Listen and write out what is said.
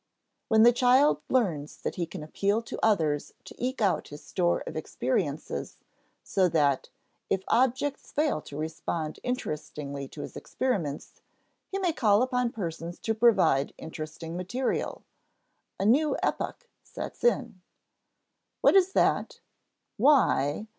When the child learns that he can appeal to others to eke out his store of experiences, so that, if objects fail to respond interestingly to his experiments, he may call upon persons to provide interesting material, a new epoch sets in. "What is that?" "Why?"